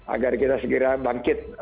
agar kita segera bangkit